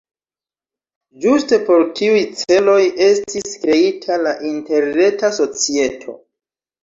Ĝuste por tiuj celoj estis kreita la Interreta Societo.